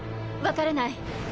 わからない。